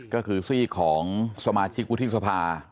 ก็คือซีกของสมาชิกวุฒิสภา